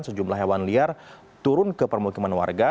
sejumlah hewan liar turun ke permukiman warga